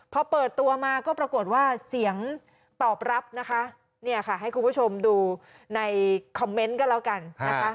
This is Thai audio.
พอเปิดตัวมาก็ปรากฏว่าเสียงตอบรับนะคะเนี่ยค่ะให้คุณผู้ชมดูในคอมเมนต์ก็แล้วกันนะคะ